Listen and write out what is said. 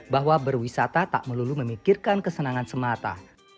bahwa berwisata tak melulu memikirkan kesenangan semata